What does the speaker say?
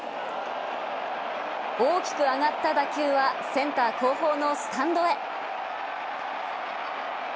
大きく上がった打球はセンター後方のスタンドへ。